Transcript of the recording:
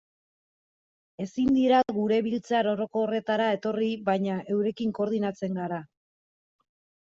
Ezin dira gure biltzar orokorretara etorri, baina eurekin koordinatzen gara.